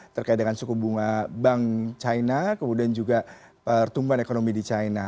terkait dengan suku bunga bank china kemudian juga pertumbuhan ekonomi di china